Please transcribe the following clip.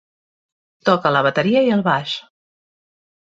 Toca la bateria i el baix.